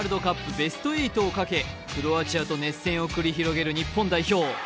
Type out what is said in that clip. ベスト８をかけクロアチアと熱戦を繰り広げる日本代表。